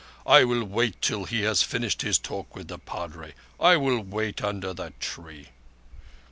I will wait till he has finished his talk with the Padre. I will wait under that tree."